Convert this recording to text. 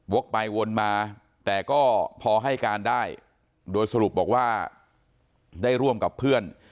ไปวนมาแต่ก็พอให้การได้โดยสรุปบอกว่าได้ร่วมกับเพื่อน